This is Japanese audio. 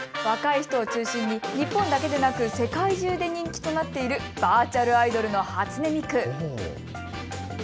若い人を中心に日本だけでなく世界中で人気となっているバーチャルアイドルの初音ミク。